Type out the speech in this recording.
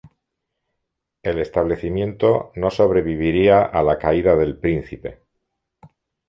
El establecimiento no sobreviviría a la caída del príncipe.